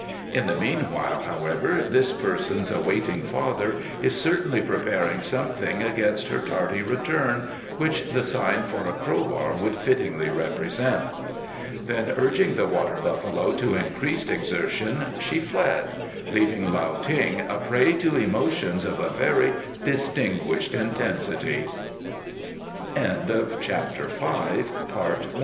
In the meanwhile, however, this person's awaiting father is certainly preparing something against her tardy return which the sign for a crowbar would fittingly represent." Then urging the water buffalo to increased exertion she fled, leaving Lao Ting a prey to emotions of a very distinguished intensity. In spite of the admittedly